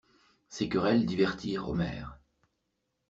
Ces querelles divertirent Omer.